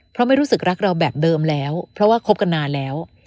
เพราะไม่รู้สึกรักเราแบบเดิมแล้วเพราะว่าคบกันนานแล้ว